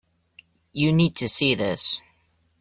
You need to see this.